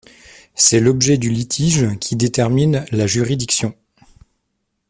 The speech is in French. C’est l’objet du litige qui détermine la juridiction.